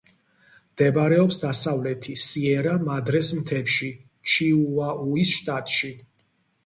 მდებარეობს დასავლეთი სიერა-მადრეს მთებში, ჩიუაუის შტატში.